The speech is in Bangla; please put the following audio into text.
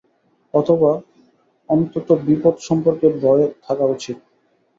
অথবা, অন্তত বিপদ সম্পর্কে ভয় থাকা উচিত।